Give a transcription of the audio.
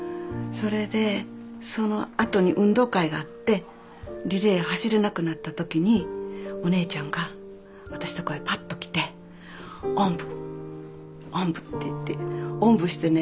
それでそのあとに運動会があってリレー走れなくなった時にお姉ちゃんが私とこへパッと来ておんぶおんぶって言っておんぶしてね